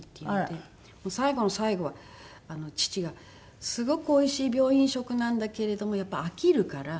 最後の最後は父がすごくおいしい病院食なんだけれどもやっぱり飽きるから。